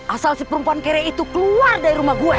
asal si perempuan kere itu keluar dari rumah gue